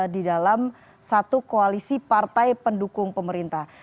di dalam satu koalisi partai pendukung pemerintah